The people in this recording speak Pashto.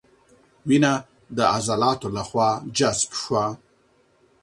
وینه د عضلاتو له خوا جذب شوه.